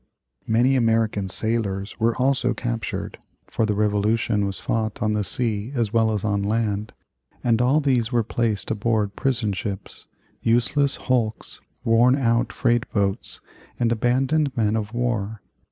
Many American sailors were also captured (for the Revolution was fought on the sea as well as on land) and all these were placed aboard prison ships useless hulks, worn out freight boats, and abandoned men of war.